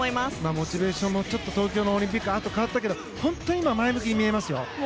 モチベーションも東京オリンピック後に変わったけど本当に今、前向きに見えますよ。